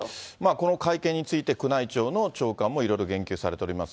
この会見について、宮内庁の長官も、いろいろ言及されております。